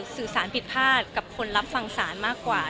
สื่อสารผิดพลาดกับคนรับฟังศาลมากกว่า